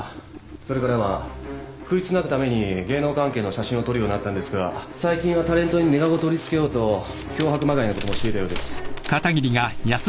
それからは食いつなぐために芸能関係の写真を撮るようになったんですが最近はタレントにネガごと売りつけようと脅迫まがいのこともしていたようです。